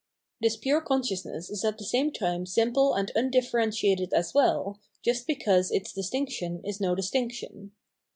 This pure consciousness is at the same time simple and undifferentiated as well, just because its distinction is no distinction.